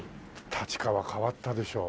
立川変わったでしょ？